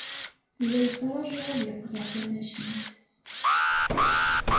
La yettṛaju ad yeqleɛ tmacint.